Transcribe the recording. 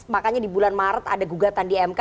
makanya di bulan maret ada gugatan di mk